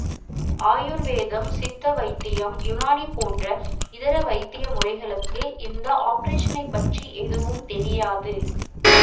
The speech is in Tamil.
ஆயுர்வேதம், சித்த வைத்தியம், யூனானி போன்ற இதர வைத்திய முறைகளுக்கு இந்த ஆப்பரேஷனைப் பற்றி எதுவும் தெரியாது.